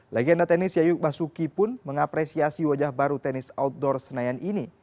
legenda tenis yayuk basuki pun mengapresiasi wajah baru tenis outdoor senayan ini